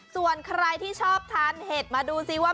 ส่วนใครที่ชอบทานเห็ดมาดูซิว่า